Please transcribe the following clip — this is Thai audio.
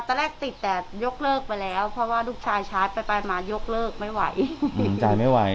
ตอนแรกติดแต่ยกเลิกไปแล้วเพราะว่าลูกชายชาร์จไปไปมายกเลิกไม่ไหวติดใจไม่ไหว